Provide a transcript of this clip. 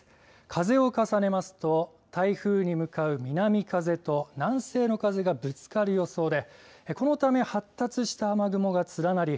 風を重ねますと台風に向かう南風と南西の風がぶつかる予想でこのため発達した雨雲が連なり